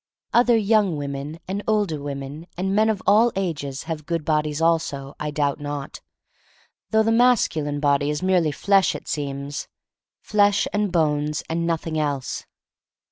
Other young women and older wo men and men of all ages have good bodies also, I doubt not — though the masculine body is merely flesh, it seems, flesh and bones and nothing else.